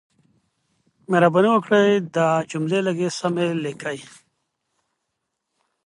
د افغانستان په منظره کې غزني ښکاره ده.